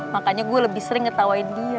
makanya gue lebih sering ngetawain dia